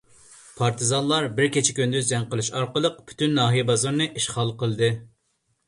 پارتىزانلار بىر كېچە-كۈندۈز جەڭ قىلىش ئارقىلىق، پۈتۈن ناھىيە بازىرىنى ئىشغال قىلدى.